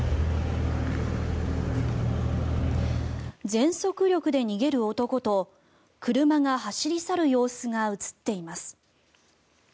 全速力で逃げる男と車が走り去る様子が映っています。